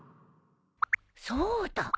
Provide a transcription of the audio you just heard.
そうだ！